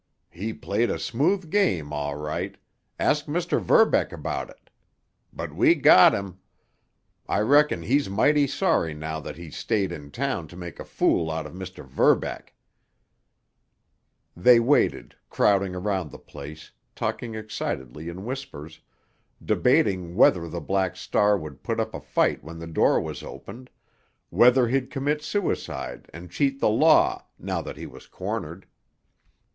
He played a smooth game, all right—ask Mr. Verbeck about it. But we got him! I reckon he's mighty sorry now that he stayed in town to make a fool out of Mr. Verbeck." They waited, crowding about the place, talking excitedly in whispers, debating whether the Black Star would put up a fight when the door was opened, whether he'd commit suicide and cheat the law, now that he was cornered.